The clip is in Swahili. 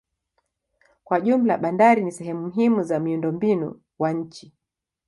Kwa jumla bandari ni sehemu muhimu za miundombinu wa nchi.